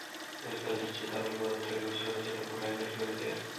এর কাজ হচ্ছে তরল পদার্থকে খুব ছোট ছোট ফোঁটায় বের করে দেয়া।